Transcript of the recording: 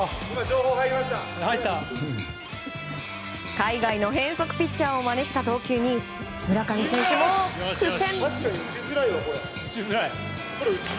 海外の変則ピッチャーをまねした投球に村上選手も苦戦。